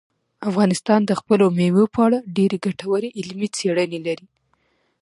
افغانستان د خپلو مېوو په اړه ډېرې ګټورې علمي څېړنې لري.